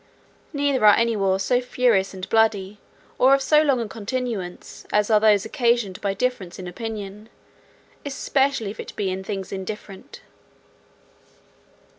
Neither are any wars so furious and bloody, or of so long a continuance, as those occasioned by difference in opinion, especially if it be in things indifferent.